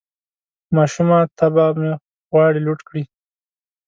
ماشومه طبعه مې غواړي لوټ کړي